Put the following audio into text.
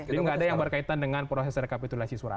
jadi nggak ada yang berkaitan dengan proses rekapitulasi suara